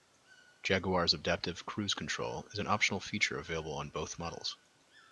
Jaguar's Adaptive Cruise Control is an optional feature available on both models.